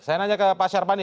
saya nanya ke pak syarpani